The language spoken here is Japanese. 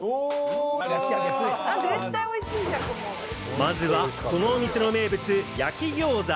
まずはこの店の名物・焼き餃子。